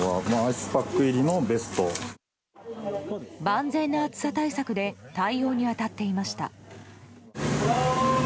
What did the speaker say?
万全な暑さ対策で対応に当たっていました。